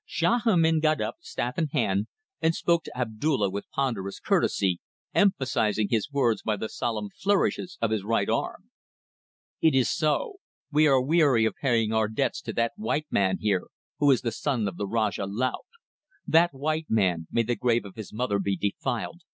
Sahamin got up, staff in hand, and spoke to Abdulla with ponderous courtesy, emphasizing his words by the solemn flourishes of his right arm. "It is so. We are weary of paying our debts to that white man here, who is the son of the Rajah Laut. That white man may the grave of his mother be defiled!